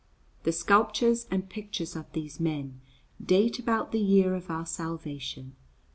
The sculptures and pictures of these men date about the year of our salvation 1447.